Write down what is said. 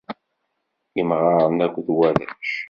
Imɣaren akked warrac!